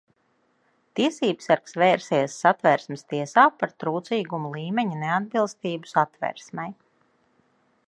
Tiesībsargs vērsies satversmes tiesā par trūcīguma līmeņa neatbilstību satversmei.